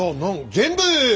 全部！